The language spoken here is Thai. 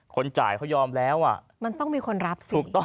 คนจ่ายเขายอมแล้วอ่ะมันต้องมีคนรับสิถูกต้อง